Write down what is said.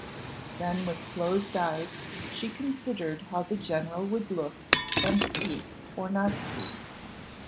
Then with closed eyes she considered how the general would look, and speak, or not speak.